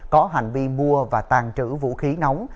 có hành vi mua và tàn trữ vũ khí nóng